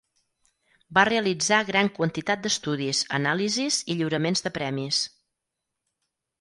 Va realitzar gran quantitat d'estudis, anàlisis i lliuraments de premis.